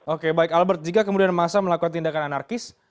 oke baik albert jika kemudian masa melakukan tindakan anarkis